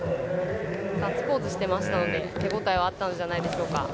ガッツポーズをしていましたので手応えがあったんじゃないでしょうか。